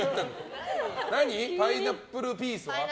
パイナップルピースは？